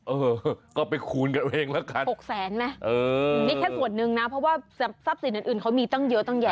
เออก็ไปคูณกันเองละกัน๖แสนไหมนี่แค่ส่วนหนึ่งนะเพราะว่าทรัพย์สินอื่นเขามีตั้งเยอะตั้งแย